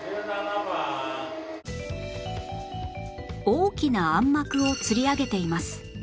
大きな暗幕をつり上げています